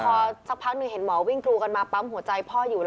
พอสักพักหนึ่งเห็นหมอวิ่งกรูกันมาปั๊มหัวใจพ่ออยู่